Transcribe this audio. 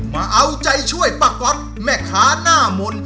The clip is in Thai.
มาเอาใจช่วยป้าก๊อตแม่ค้าหน้ามนต์